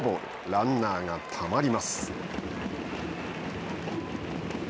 ランナーがたまります。